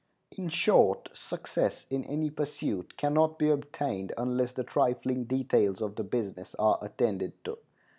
In short, success in any pursuit can not be obtained unless the trifling details of the business are attended to.